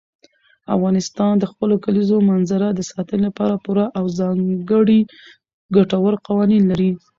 افغانستان د خپلو کلیزو منظره د ساتنې لپاره پوره او ځانګړي ګټور قوانین لري.